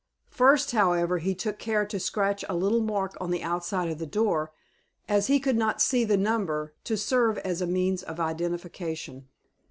First, however, he took care to scratch a little mark on the outside of the door, as he could not see the number, to serve as a means of identification.